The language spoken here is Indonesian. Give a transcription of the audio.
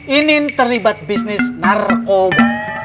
inin terlibat bisnis narkoba